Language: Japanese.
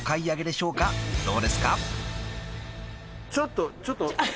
ちょっとちょっと。